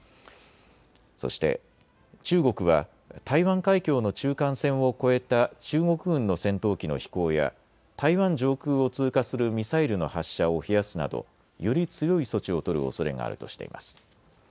そして中国は台湾海峡の中間線を越えた中国軍の戦闘機の飛行や台湾上空を通過するミサイルの発射を増やすなどより強い措置を取るおそれがあるとしています。